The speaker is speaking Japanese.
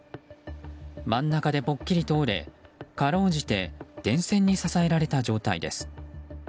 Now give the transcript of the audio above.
真ん中がぽっきりと折れかろうじて電線に支えられた状態です。